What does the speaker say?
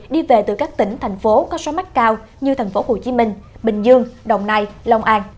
đi về từ các tỉnh thành phố có số mắt cao như thành phố hồ chí minh bình dương đồng nai long an